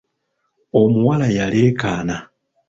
Omuwala yaleekaana.